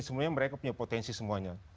sebenarnya mereka punya potensi semuanya